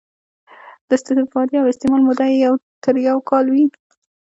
د استفادې او استعمال موده یې تر یو کال وي.